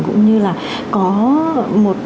cũng như là có một